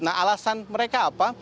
nah alasan mereka apa